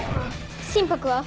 心拍は？